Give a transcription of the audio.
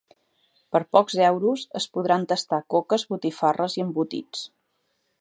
Per pocs euros es podran tastar coques, botifarres i embotits.